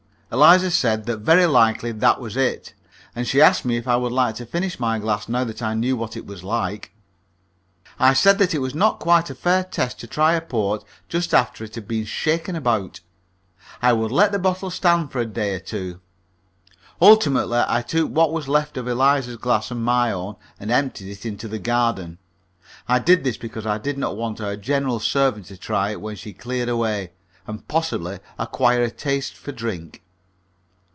Eliza said that very likely that was it, and she asked me if I would care to finish my glass now that I knew what it was like. I said that it was not quite a fair test to try a port just after it had been shaken about. I would let the bottle stand for a day or two. Ultimately I took what was left in Eliza's glass and my own, and emptied it into the garden. I did this because I did not want our general servant to try it when she cleared away, and possibly acquire a taste for drink.